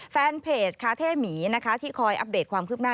แฟนเพจคาเท่หมีนะคะที่คอยอัปเดตความคืบหน้า